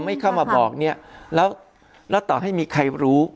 ไม่เข้ามาบอกเนี่ยแล้วต่อให้มีใครรู้